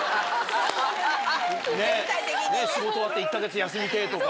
仕事終わって１か月休みてぇとか。